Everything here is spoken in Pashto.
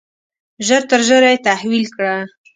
ژر تر ژره یې تحویل کړه.